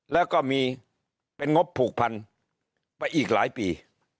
แล้วก็มีเป็นงบผูกพันไปอีกหลายปี